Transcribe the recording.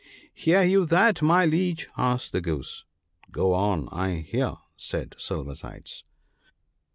'' Hear you that, my Liege ?' asked the Goose. ( Go on ; I hear !' said Silver sides.